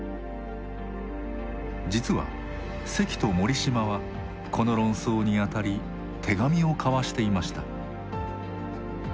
実は関と森嶋はこの論争にあたり手紙を交わしていました。